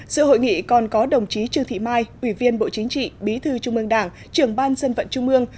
sự hội nghị còn có đồng chí trương thị mai ủy viên bộ chính trị bí thư trung ương đảng trưởng ban dân vận trung ương